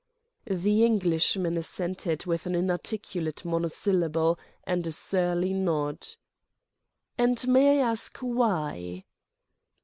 The Englishman assented with an inarticulate monosyllable and a surly nod. "And may one ask why?"